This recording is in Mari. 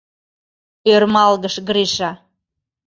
— ӧрмалгыш Гриша.